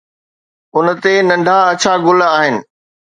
ان تي ننڍا اڇا گل آهن